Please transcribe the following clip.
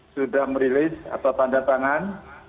sudah merilis atau tanda tangan